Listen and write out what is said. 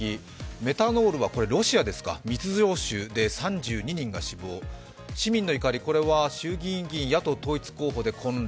メタノールはロシアですか、密造酒で３２人が死亡、市民の怒り、これは衆議院議員野党統一議員で混乱。